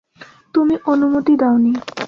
তুমি অনুমতি দাওনি।